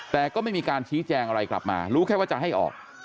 แต่ก็ไม่มีการชี้แจงอะไรกลับมารู้แค่ว่าจะให้ออก